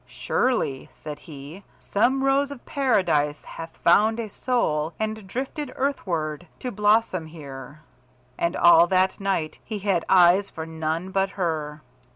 "Surely," said he, "some rose of Paradise hath found a soul and drifted earthward to blossom here." And all that night he had eyes for none but her.